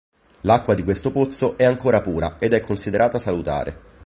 L'acqua di questo pozzo è ancora pura ed è considerata salutare.